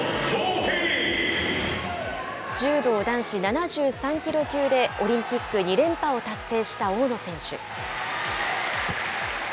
柔道男子７３キロ級で、オリンピック２連覇を達成した大野選手。